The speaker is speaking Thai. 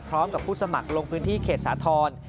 พร้อมกับผู้สมัครลงพื้นที่เขตสาธรณ์